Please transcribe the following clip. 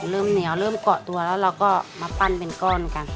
เริ่มเหนียวเริ่มเกาะตัวแล้วเราก็มาปั้นเป็นก้อนกัน